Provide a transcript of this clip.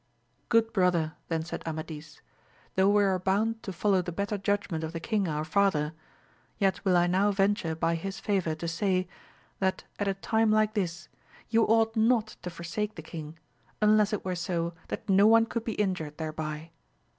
Good brother, then said Amadis, though we are bound to follow the better judgment of the king our father, yet will I now venture by his favour to say, that at a time like this you ought not to forsake the king, unless it were so that no one could be injured thereby.